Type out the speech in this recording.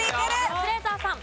カズレーザーさん。